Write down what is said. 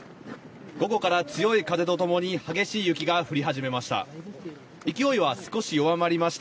午後から強い風とともに激しい雪が降り始めました。